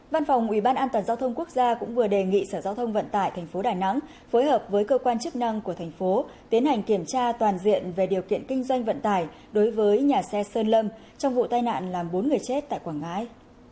văn phòng ubnd giao thông quốc gia cũng vừa đề nghị sở giao thông vận tải tp đà nẵng phối hợp với cơ quan chức năng của thành phố tiến hành kiểm tra toàn diện về điều kiện kinh doanh vận tải đối với nhà xe sơn lâm trong vụ tai nạn làm bốn người chết tại quảng ngãi